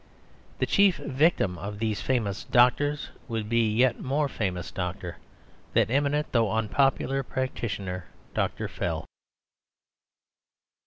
The chief victim of these famous doctors would be a yet more famous doctor: that eminent though unpopular practitioner, Dr. Fell.